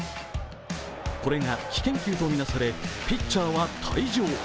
これが、危険球と見なされピッチャーは退場。